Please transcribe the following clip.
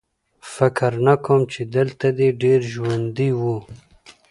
فکر نه کوم چې دلته دې ډېر ژوندي وو